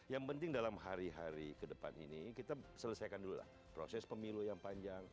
yang penting dalam hari hari ke depan ini kita selesaikan dulu lah proses pemilu yang panjang